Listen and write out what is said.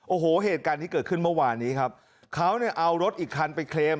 โอ้โหเหตุการณ์นี้เกิดขึ้นเมื่อวานนี้ครับเขาเนี่ยเอารถอีกคันไปเคลม